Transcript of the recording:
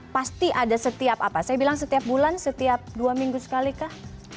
pasti ada setiap apa saya bilang setiap bulan setiap dua minggu sekali kah